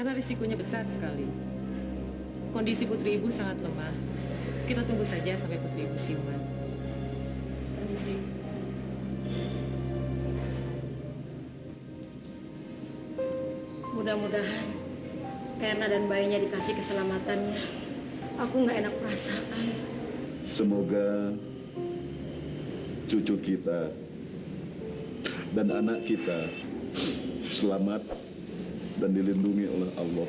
aku berada di atas tahta